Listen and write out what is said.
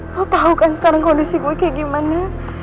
lo tau kan sekarang kondisi gue kayak gimana